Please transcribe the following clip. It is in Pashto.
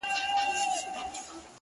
ځمه ويدېږم ستا له ياده سره شپې نه كوم،